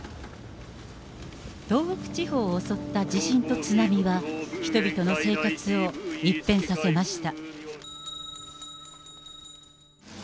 東北地方を襲った地震と津波は、人々の生活を一変させました。